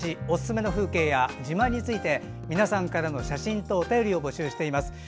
おすすめの風景や自慢について皆さんからの写真とお便りを募集しています。